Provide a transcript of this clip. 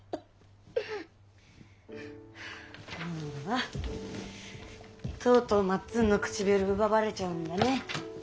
ああとうとうまっつんの唇奪われちゃうんだね。